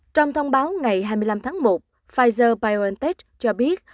trong thông báo ngày hai mươi năm tháng một pfizer biontech cho biết